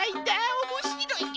おもしろい！